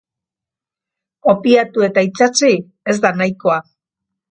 Kopiatu eta itsatsi ez da nahikoa.